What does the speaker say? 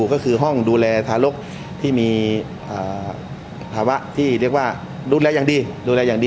ก็คือห้องดูแลทารกที่มีภาวะที่เรียกว่ารูแลอย่างดี